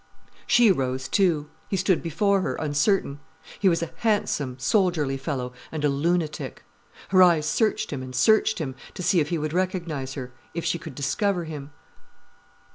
She rose too. He stood before her, uncertain. He was a handsome, soldierly fellow, and a lunatic. Her eyes searched him, and searched him, to see if he would recognize her, if she could discover him.